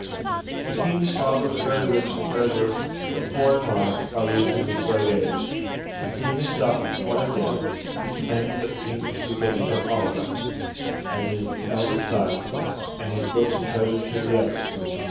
The king his father was very rich in treasure, but poor in life, by reason of his great age ; and seeing himself at the point of death, he com manded that the kingdom should be given to Apolidon, as his eldest son, and his books and treasures to the other.